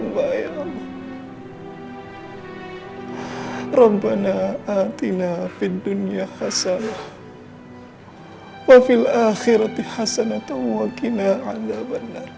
berikanlah hamba ya allah